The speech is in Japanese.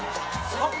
あっ！